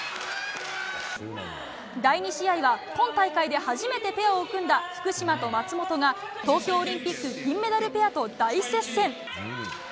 第２試合は今大会で初めてペアを組んだ福島と松本が東京オリンピック銀メダルペアと大接戦。